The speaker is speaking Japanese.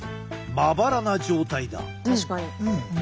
まばらな状態だ。